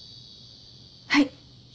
はい。